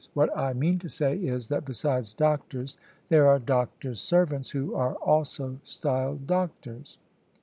What I mean to say is, that besides doctors there are doctors' servants, who are also styled doctors.